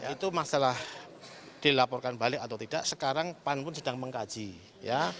itu masalah dilaporkan balik atau tidak sekarang pan pun sedang mengkaji ya